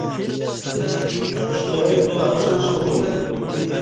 شترک افسوس کوتوم